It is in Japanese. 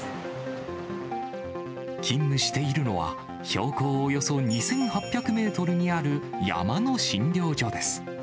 勤務しているのは、標高およそ２８００メートルにある山の診療所です。